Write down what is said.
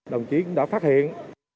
đồng chí cũng đã phát hiện